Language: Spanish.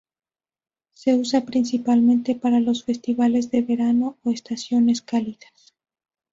Se usa principalmente para los festivales de verano o estaciones cálidas.